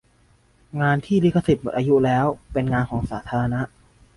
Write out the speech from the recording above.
งานที่ลิขสิทธิ์หมดอายุแล้วเป็นงานของสาธารณะ